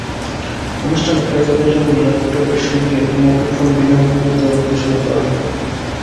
অনুষ্ঠানে ক্রেতাদের জন্য ল্যাপটপের সঙ্গে মুঠোফোন বিনামূল্যে দেওয়ার ঘোষণা দেওয়া হয়।